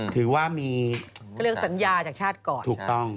ถือว่ามีเขาเรียกสัญญาจากชาติก่อนถูกต้อง